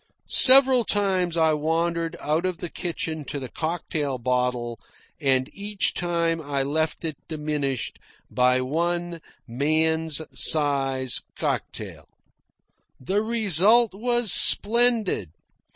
Several times I wandered out of the kitchen to the cocktail bottle, and each time I left it diminished by one man's size cocktail. The result was splendid.